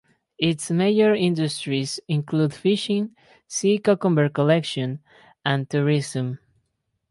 Its major industries include fishing, sea cucumber collection and tourism.